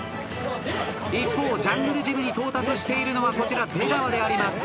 一方ジャングルジムに到達しているのはこちら出川であります。